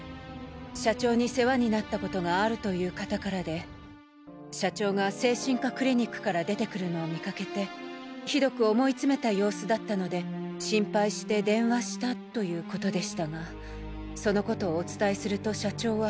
社長に世話になったことがあるという方からで社長が精神科クリニックから出てくるのを見かけてひどく思いつめた様子だったので心配して電話したということでしたがその事をお伝えすると社長は。